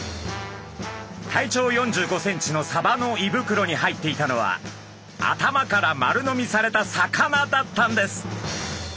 体長４５センチのサバのいぶくろに入っていたのは頭から丸飲みされた魚だったんです。